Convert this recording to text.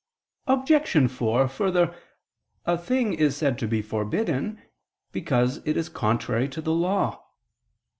Obj. 4: Further, a thing is said to be forbidden, because it is contrary to the law.